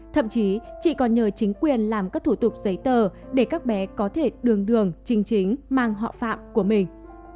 thậm chí chị còn nhờ chính quyền làm các thủ tục giấy tờ để các bé có thể đường đường trình chính mang họ phạm của mình